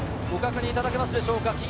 ご確認いただけますでしょうか。